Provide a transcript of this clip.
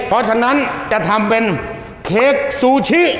เพราะฉะนั้นจะทำเป็นเค้กซูชิ